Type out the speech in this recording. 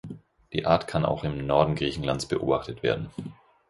Die Art kann auch im Norden Griechenlands beobachtet werden.